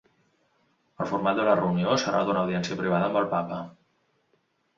El format de la reunió serà el d’una audiència privada amb el papa.